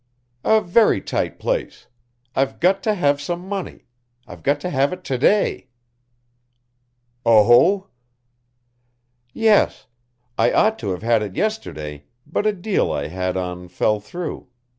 "A very tight place. I've got to have some money I've got to have it to day." "Oh!" "Yes. I ought to have had it yesterday, but a deal I had on fell through.